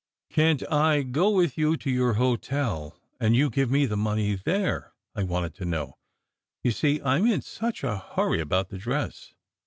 " Can t I go with you to your hotel, and you give me the money there?" I wanted to know. "You see, I m in such a hurry about the dress."